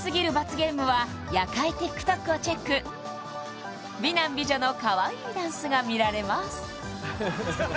ゲームは夜会ＴｉｋＴｏｋをチェック美男美女のかわいいダンスが見られます